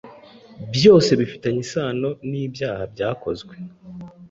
byose bifitanye isano n’ibyaha byakozwe